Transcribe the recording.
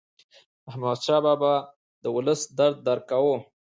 احمدشاه بابا د ولس درد درک کاوه.